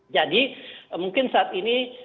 jadi mungkin saat ini